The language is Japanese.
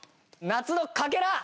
「夏のかけらを」